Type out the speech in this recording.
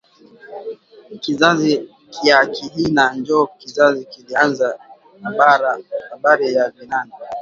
Kizazi kya kahina njo kizazi kilianzisha abari ya vinanda